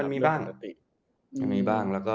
มันมีบ้าง